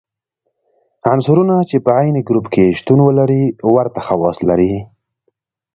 عنصرونه چې په عین ګروپ کې شتون ولري ورته خواص لري.